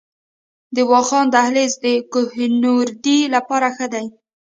د واخان دهلیز د کوه نوردۍ لپاره ښه دی؟